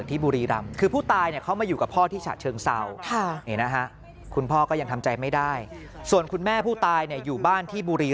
ใช่เขาก็อยู่ในเหตุการณ์เขาก็เห็นอยู่